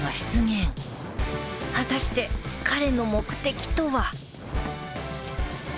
果たして彼の目的とは